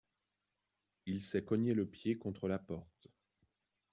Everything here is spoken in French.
Il s’est cogné le pied contre la porte.